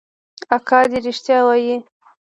اکا دې ريښتيا وايي.